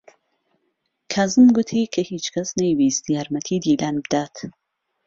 کازم گوتی کە هیچ کەس نەیویست یارمەتیی دیلان بدات.